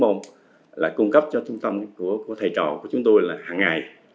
chúng tôi đã cung cấp cho trung tâm của thầy trò của chúng tôi hằng ngày